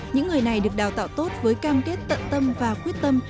những người này được đào tạo tốt với cam kết tận tâm và quyết tâm